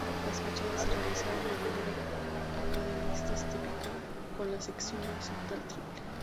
Las fachadas se realizaron de manera academicista típica, con la sección horizontal triple.